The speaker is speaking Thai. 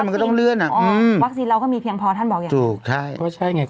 ไม่ได้ดาวน์ย้ายนั่นแย่